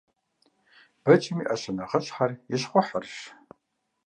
Бэджым и Iэщэ нэхъыщхьэр и щхъухьырщ.